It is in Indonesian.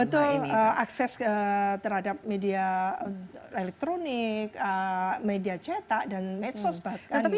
betul akses terhadap media elektronik media cetak dan medsos bahkan itu luas sekali